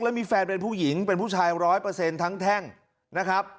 แล้วมีแฟนเป็นผู้หญิงเป็นผู้ชายร้อยเปอร์เซ็นต์ทั้งแท่งนะครับ